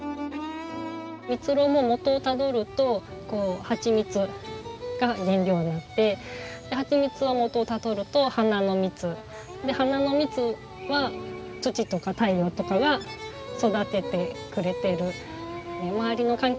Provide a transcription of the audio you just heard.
蜜ろうも元をたどるとはちみつが原料になってはちみつは元をたどると花の蜜で花の蜜は土とか太陽とかが育ててくれてる。